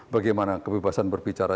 bagaimana kebebasan berbicara